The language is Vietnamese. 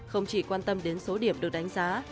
không chỉ quan tâm đến số điểm được đánh giá